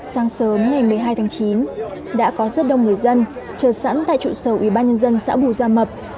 sáng sớm ngày một mươi hai tháng chín đã có rất đông người dân trở sẵn tại trụ sầu ủy ban nhân dân xã bùi giang mập